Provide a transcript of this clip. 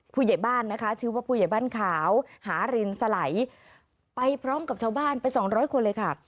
ผู้ใหญ่บ้านนะคะชื่อว่าผู้ใหญ่บ้านขาวหารินสไหลไปพร้อมกับชาวบ้านไปสองร้อยคนเลยค่ะ